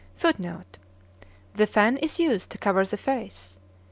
[Footnote: The fan is used to cover the face.